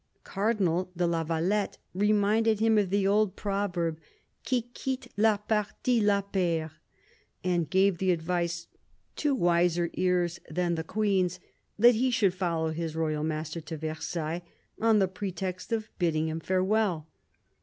Cardinal de la Valette reminded him of the old proverb, " Qui quitte la partie la perd," and gave the advice — to wiser ears than the Queen's — that he should follow his royal master to Versailles, on the pretext of bidding him farewell.